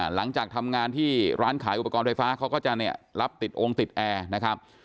หลังจากทำงานที่ร้านขายอุปกรณ์ไฟฟ้าเขาก็จะเนี่ยรับติดองค์ติดแอร์นะครับ